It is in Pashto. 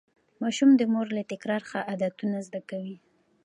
ماشوم د مور له تکرار ښه عادتونه زده کوي.